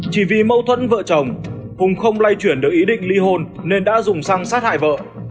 chỉ vì mâu thuẫn vợ chồng cùng không lay chuyển được ý định ly hôn nên đã dùng xăng sát hại vợ